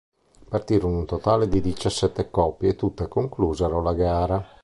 Partirono un totale di diciassette coppie e tutte conclusero la gara.